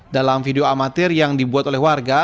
dalam video amatir yang dibuat oleh warga